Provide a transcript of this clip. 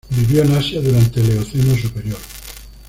Vivió en Asia durante el Eoceno superior.